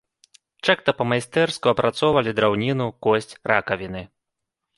Чакта па-майстэрску апрацоўвалі драўніну, косць, ракавіны.